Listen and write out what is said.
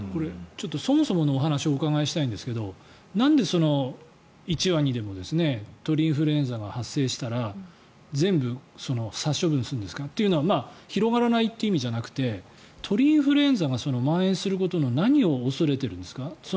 そもそもの話をお伺いしたいんですがなんで、１羽にでも鳥インフルエンザが発生したら全部殺処分するんですか？というのは広がらないという意味じゃなくて鳥インフルエンザがまん延することの何を恐れているんですか？